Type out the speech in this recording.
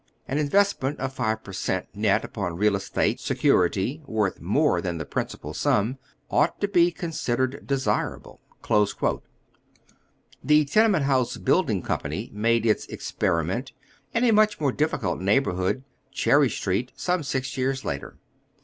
An investment at five per cent, net upon real estate security worth more than the principal sum, ought to be considered desirable." The Tenement Honse Building Company made its " ex periment " in a much more difficult neighborhood, Cher ry Street, some six years later.